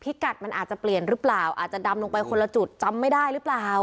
กัดมันอาจจะเปลี่ยนหรือเปล่าอาจจะดำลงไปคนละจุดจำไม่ได้หรือเปล่า